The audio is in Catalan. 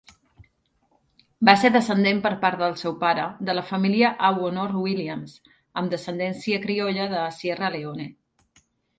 Va ser descendent, per part del seu pare, de la família Awoonor-Williams amb descendència criolla de Sierra Leone.